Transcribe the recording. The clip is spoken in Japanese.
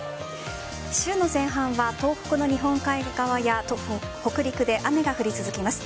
週の前半は東北の日本海側や北陸で雨が降り続きます。